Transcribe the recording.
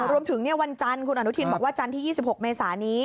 วันจันทร์คุณอนุทินบอกว่าจันทร์ที่๒๖เมษานี้